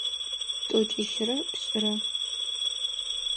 Тӏокӏищырэ пшӏырэ.